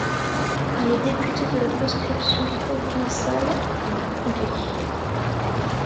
Il est député de la circonscription provinciale de Bourget.